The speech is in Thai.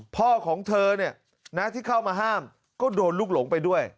พ่อของเธอที่เข้ามาห้ามก็โดนลูกหลงไปด้วย